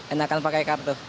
enakan pakai kartu